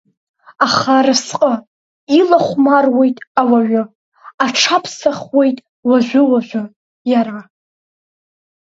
Аха аразҟы илахәмаруеит ауаҩы, аҽаԥсахуеит уажәыуажәы иара.